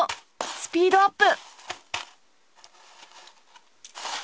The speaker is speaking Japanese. スピードアップ！